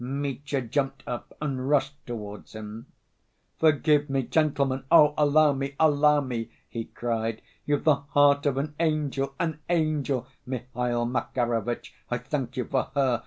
Mitya jumped up and rushed towards him. "Forgive me, gentlemen, oh, allow me, allow me!" he cried. "You've the heart of an angel, an angel, Mihail Makarovitch, I thank you for her.